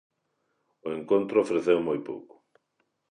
O encontro ofreceu moi pouco.